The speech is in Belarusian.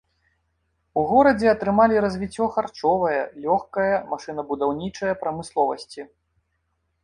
У горадзе атрымалі развіццё харчовая, лёгкая, машынабудаўнічая прамысловасці.